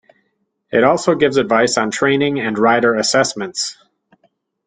It also gives advice on training and rider assessments.